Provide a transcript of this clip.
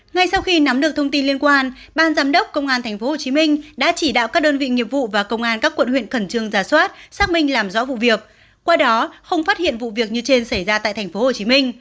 ngay sau khi nắm được thông tin liên quan ban giám đốc công an tp hcm đã chỉ đạo các đơn vị nghiệp vụ và công an các quận huyện khẩn trương ra soát xác minh làm rõ vụ việc qua đó không phát hiện vụ việc như trên xảy ra tại tp hcm